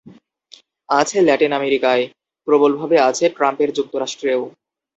আছে ল্যাটিন আমেরিকায়, প্রবলভাবে আছে ট্রাম্পের যুক্তরাষ্ট্রেও।